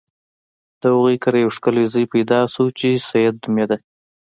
د هغوی کره یو ښکلی زوی پیدا شو چې سید نومیده.